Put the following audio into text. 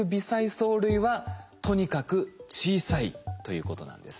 藻類はとにかく小さいということなんですね。